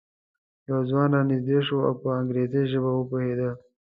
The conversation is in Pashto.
یو ځوان را نږدې شو او په انګریزي ژبه پوهېده.